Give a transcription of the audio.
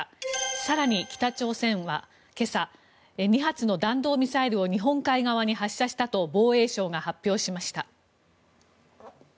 更に、北朝鮮は今朝２発の弾道ミサイルを日本海側に発射したと防衛省が発表しました。